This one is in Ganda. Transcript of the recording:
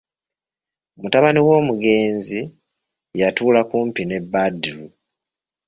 Mutabani w'Omugenzi yatuula kumpi ne Badru.